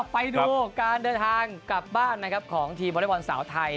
ไปดูการเดินทางกลับบ้านของทีมบอระดับรอนสาวไทย